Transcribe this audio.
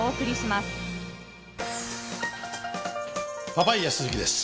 パパイヤ鈴木です。